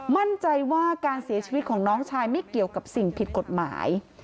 มั่นใจว่าการเสียชีวิตของน้องชายไม่เกี่ยวกับสิ่งผิดกฎหมาย